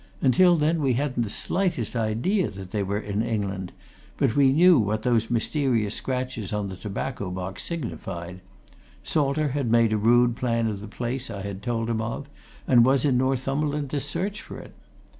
Until then we hadn't the slightest idea that they were in England but we knew what those mysterious scratches in the tobacco box signified Salter had made a rude plan of the place I had told him of, and was in Northumberland to search for it.